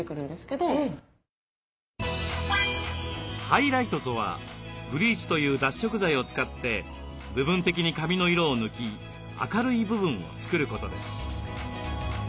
「ハイライト」とはブリーチという脱色剤を使って部分的に髪の色を抜き明るい部分を作ることです。